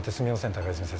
高泉先生。